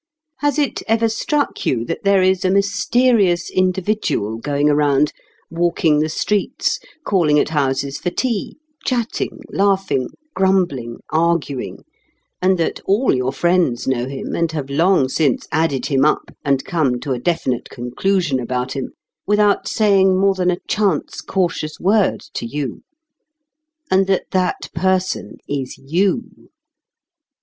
Has it ever struck you that there is a mysterious individual going around, walking the streets, calling at houses for tea, chatting, laughing, grumbling, arguing, and that all your friends know him and have long since added him up and come to a definite conclusion about him without saying more than a chance, cautious word to you; and that that person is you?